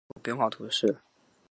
香槟穆通人口变化图示